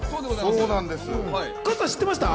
知ってましたか？